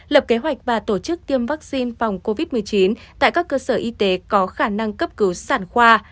lập kế hoạch và tổ chức tiêm vaccine phòng covid một mươi chín tại các cơ sở y tế có khả năng cấp cứu sản khoa